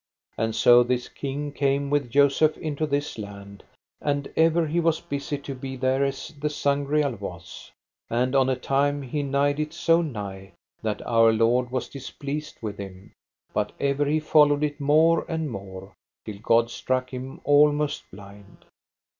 And so this king came with Joseph into this land, and ever he was busy to be thereas the Sangreal was; and on a time he nighed it so nigh that Our Lord was displeased with him, but ever he followed it more and more, till God struck him almost blind.